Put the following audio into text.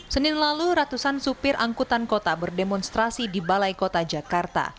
senin lalu ratusan supir angkutan kota berdemonstrasi di balai kota jakarta